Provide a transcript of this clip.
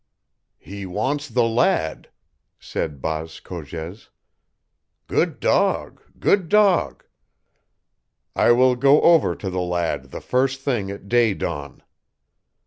"He wants the lad," said Baas Cogez. "Good dog! good dog! I will go over to the lad the first thing at day dawn."